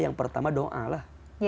yang pertama doa lah